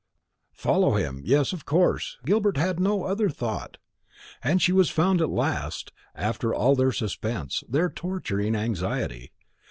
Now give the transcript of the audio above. Follow him! yes, of course. Gilbert had no other thought. And she was found at last, after all their suspense, their torturing anxiety.